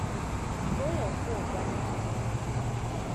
所有或管理機關